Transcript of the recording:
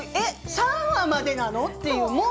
３話までなの？っていう